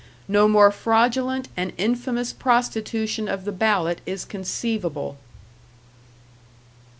No more fraudulent and infamous prostitution of the ballot is conceivable....